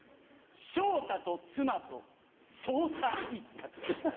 昇太と妻と捜査一課と。